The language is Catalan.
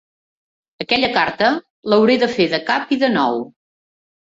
Aquella carta, l'hauré de fer de cap i de nou.